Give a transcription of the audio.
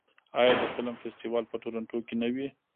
آیا د فلم فستیوال په تورنټو کې نه وي؟